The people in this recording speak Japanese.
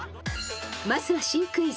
［まずは新クイズ］